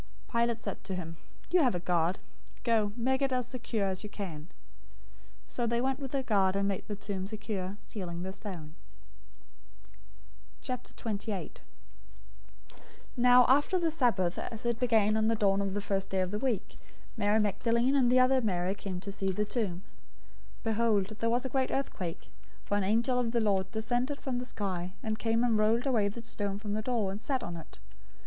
027:065 Pilate said to them, "You have a guard. Go, make it as secure as you can." 027:066 So they went with the guard and made the tomb secure, sealing the stone. 028:001 Now after the Sabbath, as it began to dawn on the first day of the week, Mary Magdalene and the other Mary came to see the tomb. 028:002 Behold, there was a great earthquake, for an angel of the Lord descended from the sky, and came and rolled away the stone from the door, and sat on it.